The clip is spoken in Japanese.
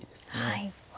はい。